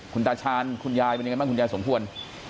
คุณตาชาญคุณยายเป็นยังไงบ้างคุณยายสมควร